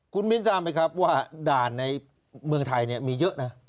คุณมิ้นทราบไหมครับว่าด่านในเมืองไทยมีเยอะนะ